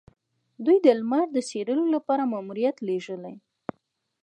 دوی د لمر د څیړلو لپاره ماموریت لیږلی.